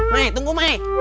me tunggu me